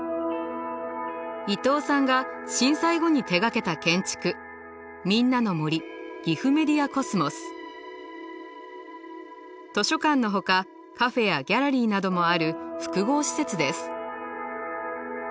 伊東さんが震災後に手がけた建築図書館のほかカフェやギャラリーなどもある複合施設です。